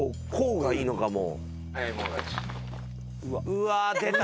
うわ出た。